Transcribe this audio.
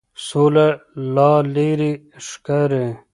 سوله لا لرې ښکاري.